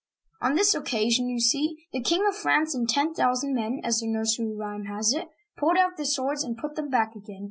On this occasion, you see, " The King of France and ten thousand men," as the nursery rhyme has it, " pulled out their swords and put them back again."